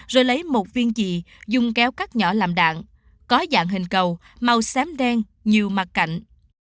rồi lấy một viên gì dùng kéo cắt nhỏ làm đạn có dạng hình cầu màu xám đen nhiều mặt cạnh